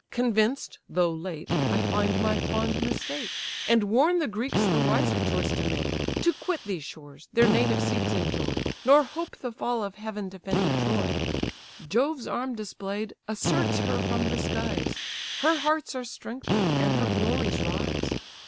Convinced, though late, I find my fond mistake, And warn the Greeks the wiser choice to make; To quit these shores, their native seats enjoy, Nor hope the fall of heaven defended Troy. Jove's arm display'd asserts her from the skies! Her hearts are strengthen'd, and her glories rise.